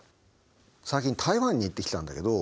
最近台湾に行ってきたんだけど。